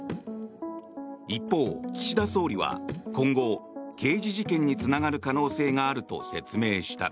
一方、岸田総理は今後、刑事事件につながる可能性があると説明した。